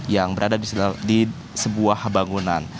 yang berada di sebuah bangunan